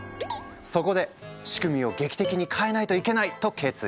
そこで仕組みを劇的に変えないといけないと決意。